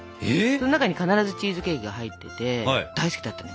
その中に必ずチーズケーキが入ってて大好きだったの。